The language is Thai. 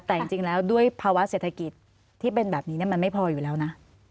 แต่จริงแล้วด้วยภาวะเศรษฐกิจที่เป็นแบบนี้มันไม่พออยู่แล้วนะ